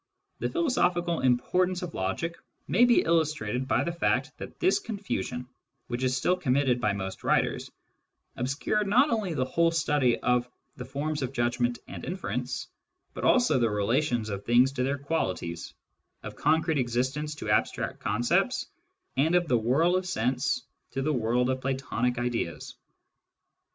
The philosophical importance of logic may be illustrated by the fact that this confusion — which is still committed by most writers — obscured not only the whole study of the forms of judgment and inference, but also the relations of things to their qualities, of concrete existence to abstract concepts, and of the world of sense to the world of Platonic ideas.